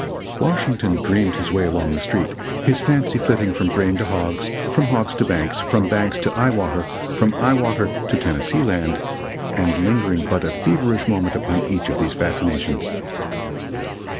Washington dreamed his way along the street, his fancy flitting from grain to hogs, from hogs to banks, from banks to eye water, from eye water to Tennessee Land, and lingering but a feverish moment upon each of these fascinations.